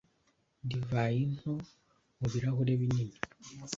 Divayi nto mu birahure binini